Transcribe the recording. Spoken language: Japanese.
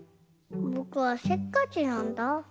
ぼくはせっかちなんだ。